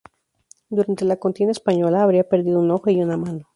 Durante la contienda española habría perdido un ojo y una mano.